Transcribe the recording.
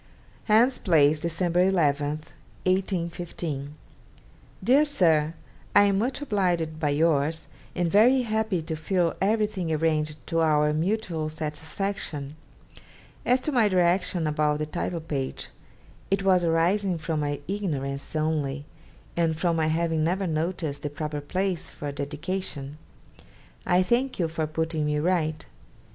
'Hans Place, December 11 (1815). 'DEAR SIR, I am much obliged by yours, and very happy to feel everything arranged to our mutual satisfaction. As to my direction about the title page, it was arising from my ignorance only, and from my having never noticed the proper place for a dedication. I thank you for putting me right.